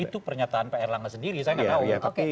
itu pernyataan pak erlangga sendiri saya nggak tahu